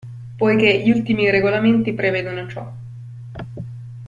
Poiché gli ultimi regolamenti prevedono ciò.